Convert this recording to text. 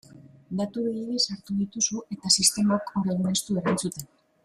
Datu gehiegi sartu dituzu eta sistemak orain ez du erantzuten.